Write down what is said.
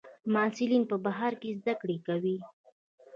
محصلین په بهر کې زده کړې کوي.